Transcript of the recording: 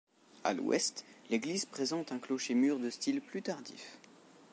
À l'ouest, l'église présente un clocher-mur de style plus tardif.